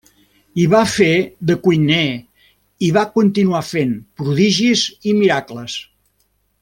Hi va fer de cuiner i va continuar fent prodigis i miracles.